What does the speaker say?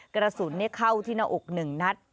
กระสุนเข้าที่หน้าอก๑นัด